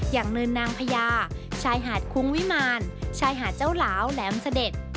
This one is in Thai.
เนินนางพญาชายหาดคุ้งวิมารชายหาดเจ้าหลาวแหลมเสด็จ